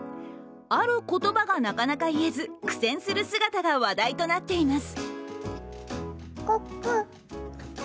ある言葉がなかなか言えず苦戦する姿が話題となっています。